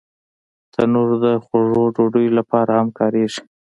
تنور د خوږو ډوډیو لپاره هم کارېږي